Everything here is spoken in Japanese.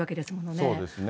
そうですね。